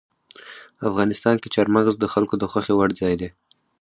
افغانستان کې چار مغز د خلکو د خوښې وړ ځای دی.